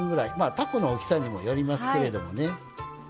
たこの大きさにもよりますけれどもね。